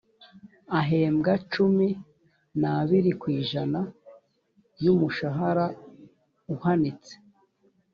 ahembwa cumi n’abiri ku ijana y’umushahara uhanitse